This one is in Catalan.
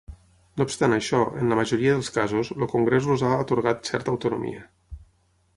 No obstant això, en la majoria dels casos, el Congrés els ha atorgat certa autonomia.